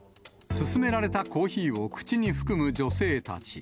勧められたコーヒーを口に含む女性たち。